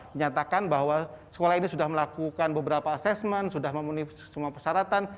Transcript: menyatakan bahwa sekolah ini sudah melakukan beberapa asesmen sudah memenuhi semua persyaratan